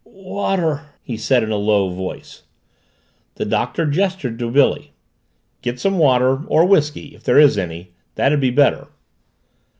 "Water!" he said in a low voice. The Doctor gestured to Billy. "Get some water or whisky if there is any that'd be better."